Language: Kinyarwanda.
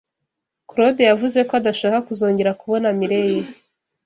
Claude yavuze ko adashaka kuzongera kubona Mirelle.